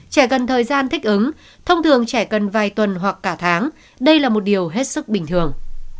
trẻ cần thời gian thích ứng thông thường trẻ cần vài tuần hoặc cả tháng đây là một điều hết sức bình thường